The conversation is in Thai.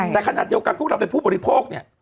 แต่ขนาดเดียวกันพวกเราเป็นผู้บริโภคเนี่ย